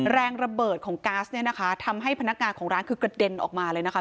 แรงระเบิดของก๊าซเนี่ยนะคะทำให้พนักงานของร้านคือกระเด็นออกมาเลยนะคะ